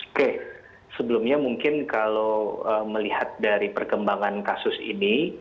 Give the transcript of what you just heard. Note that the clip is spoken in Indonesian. oke sebelumnya mungkin kalau melihat dari perkembangan kasus ini